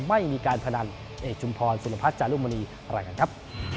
ไม่มีการพนันเอกชุมพรสุรพัฒน์จารุมณีอะไรกันครับ